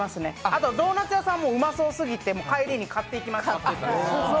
あとドーナツ屋さんもうまそうすぎて帰りに買っていきました。